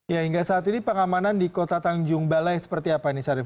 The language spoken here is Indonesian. ya hingga saat ini pengamanan di kota tanjung balai seperti apa ini syarif